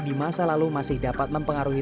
di masa lalu masih dapat mempengaruhi